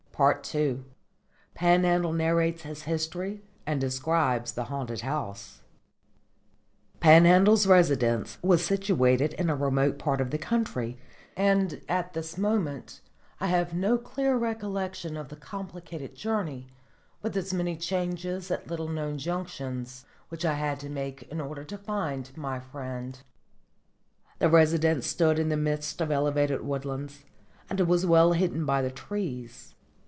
II PANHANDLE NARRATES HIS HISTORY AND DESCRIBES THE HAUNTED HOUSE Panhandle's residence was situated in a remote part of the country, and at this moment I have no clear recollection of the complicated journey, with its many changes at little known junctions, which I had to make in order to find my friend. The residence stood in the midst of elevated woodlands, and was well hidden by the trees.